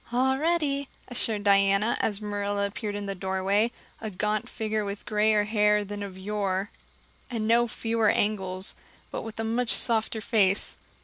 "All ready," assured Diana, as Marilla appeared in the doorway, a gaunt figure with grayer hair than of yore and no fewer angles, but with a much softer face.